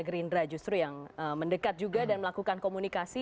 gerindra justru yang mendekat juga dan melakukan komunikasi